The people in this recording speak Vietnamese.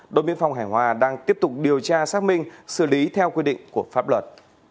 đội biên phòng hải hòa đang tiếp tục điều tra xác minh xử lý theo quy định của pháp luật